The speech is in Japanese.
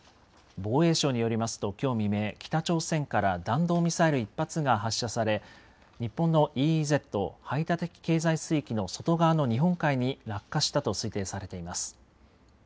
防衛省によりますと、きょう未明、北朝鮮から弾道ミサイル１発が発射され、日本のＥＥＺ・排他的経済水域の外側の日本海に落下したと推定されています。